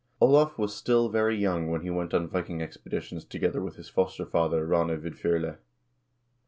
1 Olav was still very young when he went on Viking expeditions to gether with his foster father Rane Vidf0rle.